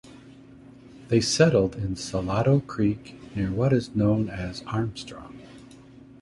They settled in Salado Creek near what is now known as Armstrong.